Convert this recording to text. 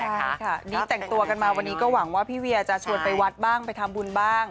ใช่ค่ะนี่แต่งตัวกันมาวันนี้ก็หวังว่าพี่เวียจะชวนไปวัดบ้างไปทำบุญบ้าง